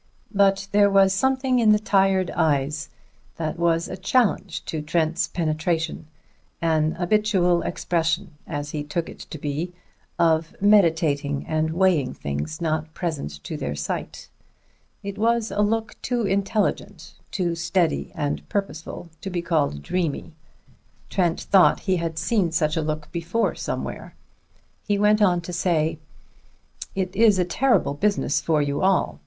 But there was something in the tired eyes that was a challenge to Trent's penetration; an habitual expression, as he took it to be, of meditating and weighing things not present to their sight. It was a look too intelligent, too steady and purposeful, to be called dreamy. Trent thought he had seen such a look before somewhere. He went on to say: "It is a terrible business for all of you.